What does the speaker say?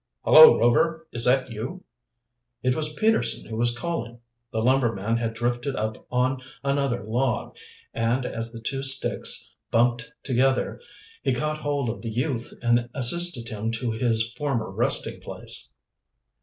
"Hullo, Rover! Is that you?" It was Peterson who was calling. The lumberman had drifted up on another log, and as the two sticks bumped together he caught hold of the youth and assisted him to his former resting place.